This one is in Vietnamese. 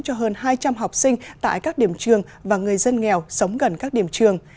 cho hơn hai trăm linh học sinh tại các điểm trường và người dân nghèo sống gần các điểm trường